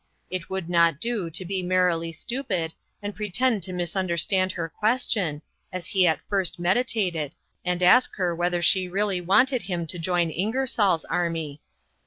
It would not do to be merrily stupid and pretend to misunder stand her question, as he at first meditated, and ask her whether she really wanted him to join Ingersoll's army.